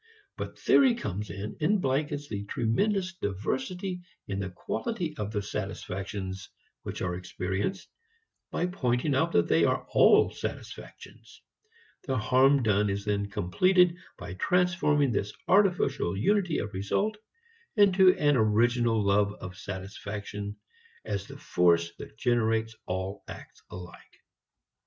But theory comes in and blankets the tremendous diversity in the quality of the satisfactions which are experienced by pointing out that they are all satisfactions. The harm done is then completed by transforming this artificial unity of result into an original love of satisfaction as the force that generates all acts alike.